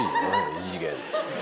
異次元。